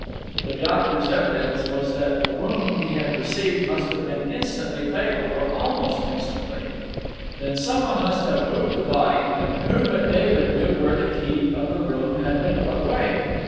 The doctor's evidence was that the wound he had received must have been instantly fatal, or almost instantly. Then some one must have moved the body, and who but David knew where the key of the room had been put away?